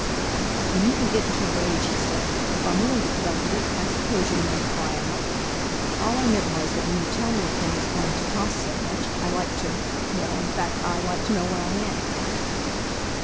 "You needn't get into a rage," he said. "If I'm willing to put up with it, I suppose you needn't cry out. All I meant was that when you tell me a thing is going to cost so much, I like to—well, in fact, I—like to know where I am."